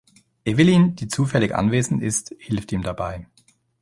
Evelyn, die zufällig anwesend ist, hilft ihm dabei.